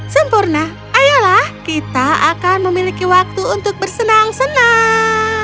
sempurna ayolah kita akan memiliki waktu untuk bersenang senang